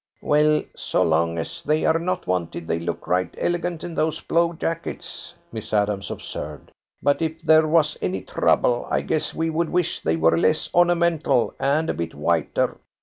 "Well, so long as they are not wanted, they look right elegant in those blue jackets," Miss Adams observed. "But if there was any trouble, I guess we would wish they were less ornamental and a bit whiter."